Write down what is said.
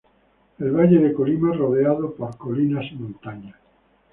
El Valle de Colima rodeado por colinas y montañas.